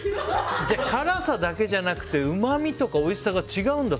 辛さだけじゃなくてうまみとかおいしさが違うんだ？